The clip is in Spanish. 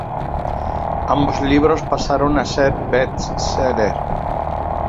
Ambos libros pasaron a ser best sellers.